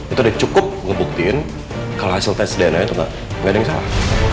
itu udah cukup ngebuktiin kalau hasil tes dna nya juga nggak ada yang salah